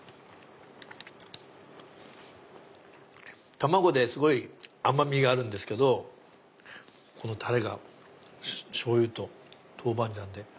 卵ですごい甘みがあるんですけどこのタレが醤油と豆板醤で。